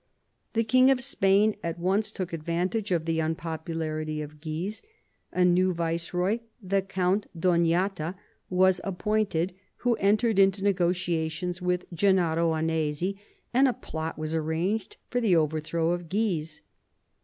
The King of Spain at once took advantage of the unpopularity of Guise. A new viceroy, the Count d'Onata, was appointed, who entered into negotiations with Gennaro Annesi, and a plot was arranged for the overthrow of Guise.